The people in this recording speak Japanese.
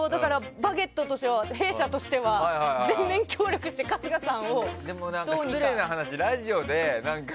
「バゲット」としては弊社としては全面協力して春日さんをどうにか。